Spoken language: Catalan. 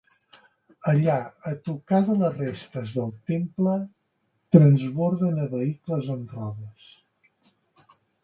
Allà, a tocar de les restes del temple, transborden a vehicles amb rodes.